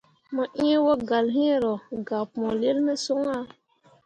Mo ĩĩ wogalle hĩĩ ro gak pũũlil ne son ah.